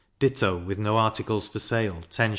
ditto, with no articles for sale, 10s.